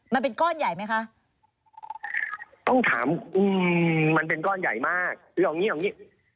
มันเป็นก้อนใหญ่ไหมคะ